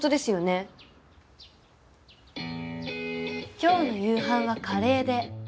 今日の夕飯はカレーで。